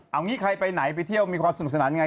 เอางี้ใครไปไหนไปเที่ยวมีความสนุกสนานไง